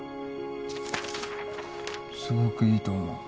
すごくいいと思う。